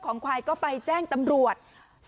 สองสามีภรรยาคู่นี้มีอาชีพ